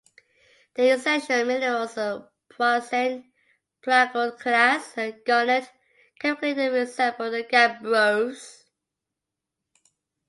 Their essential minerals are pyroxene, plagioclase and garnet: chemically they resemble the gabbros.